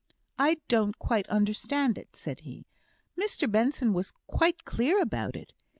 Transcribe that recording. "I don't quite understand it," said he. "Mr Benson was quite clear about it.